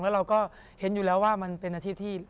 แล้วเราก็เห็นอยู่แล้วว่ามันเป็นอาชีพที่